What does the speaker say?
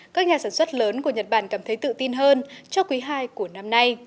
các nhà sản xuất lớn của nhật bản cảm thấy tự tin hơn cho quý ii của năm nay